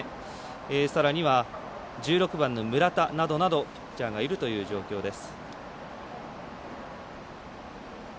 さらには１６番の村田などなどピッチャーがいるという状況です。